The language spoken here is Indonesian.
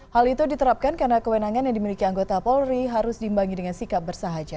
hal itu diterapkan karena kewenangan yang dimiliki anggota polri harus dibagi dengan sikap bersahaja